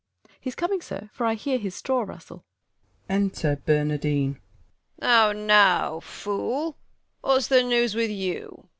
Fool. He's coming, sir, for I hear his straw rustle. Enter Bernardine. Bern. How now. Fool, what's the news with you